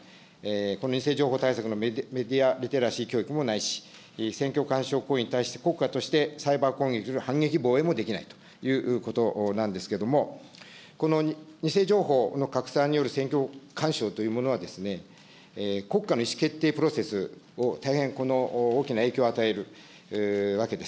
この偽情報対策のメディアリテラシー教育もないし、選挙干渉行為に対して国家としてサイバー攻撃への反撃、防衛もできないということなんですけれども、この偽情報の拡散による選挙干渉というものはですね、国家の意思決定プロセスを大変大きな影響を与えるわけです。